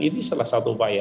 ini salah satu upaya